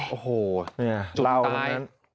โอ้โหจุดตาย